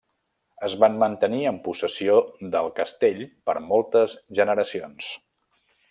Es van mantenir en possessió del castell per moltes generacions.